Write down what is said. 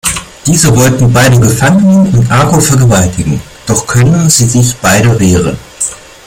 Diese wollen beide gefangen nehmen und Ako vergewaltigen, doch können sich die beiden wehren.